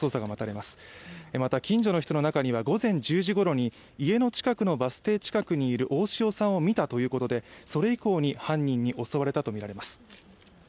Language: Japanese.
また近所の人の中には、午前１０時ごろに家の近くのバス停近くにいる大塩さんを見たということでそれ以降に犯人に襲われたとみられます。